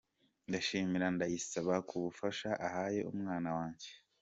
Ndashimira Ndayisaba k’ubufasha ahaye umwana wanjye.